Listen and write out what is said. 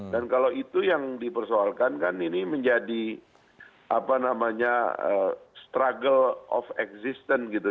dan kalau itu yang dipersoalkan kan ini menjadi struggle of existence gitu